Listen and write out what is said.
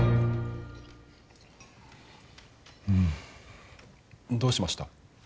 うん。どうしました？